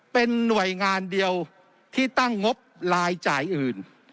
เป็นหน่วยงานเดียวที่ตั้งงบรายจ่ายอื่น